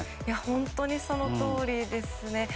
本当にそのとおりですね。